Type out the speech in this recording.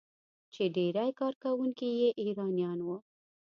چې ډیری کارکونکي یې ایرانیان وو.